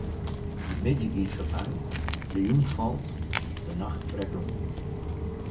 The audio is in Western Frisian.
De middei giet foarby, de jûn falt, de nacht brekt oan.